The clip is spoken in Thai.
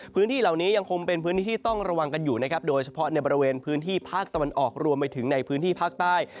พื้นที่เหล่านี้ยังคงเป็นพื้นที่ที่ต้องระวังกันอยู่นะครับโดยเฉพาะในบริเวณพื้นที่ภาคตะวันออกรวมไปถึงในพื้นที่ภาคใต้